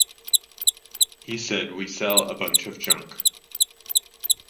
He said "We sell a bunch of junk".